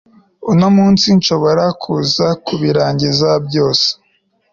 uno munsi nshobora kuza kubirangiza byose